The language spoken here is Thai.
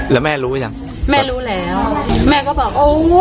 แล้วแม่รู้ยังแม่รู้แล้วแม่ก็บอกโอ้